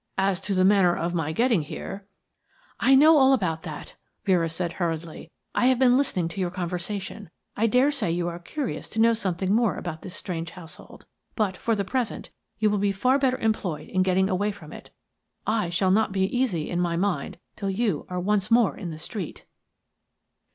As to the manner of my getting here " "I know all about that," Vera said hurriedly. "I have been listening to your conversation. I dare say you are curious to know something more about this strange household; but, for the present, you will be far better employed in getting away from it. I shall not be easy in my mind till you are once more in the street."